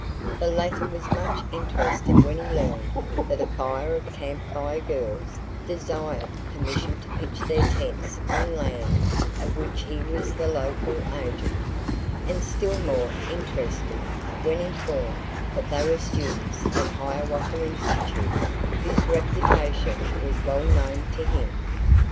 The latter was much interested when he learned that a Fire of Camp Fire Girls desired permission to pitch their tents on land of which he was the local agent, and still more interested when informed that they were students at Hiawatha Institute whose reputation was well known to him.